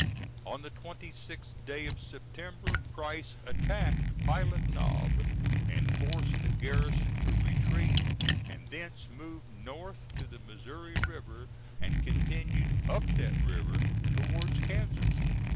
On the 26th day of September, Price attacked Pilot Knob and forced the garrison to retreat, and thence moved north to the Missouri River, and continued up that river towards Kansas.